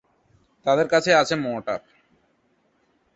তাদের কাছে আছে মর্টার।